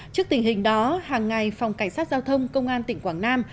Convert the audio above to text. trước tình hình đó hàng ngày phòng cảnh sát giao thông công an tỉnh quảng nam